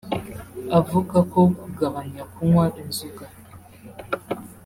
avuga ko kugabanya kunywa inzoga